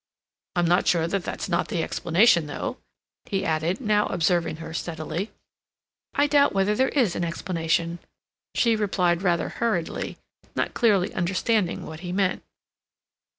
"I'm not sure that that's not the explanation, though," he added, now observing her steadily. "I doubt whether there is an explanation," she replied rather hurriedly, not clearly understanding what he meant.